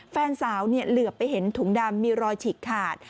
แฟนสาวเหลือไปเห็นถุงดำมีรอยฉีกขาด